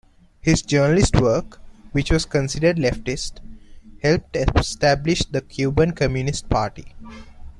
His journalistic work, which was considered leftist, helped establish the Cuban Communist Party.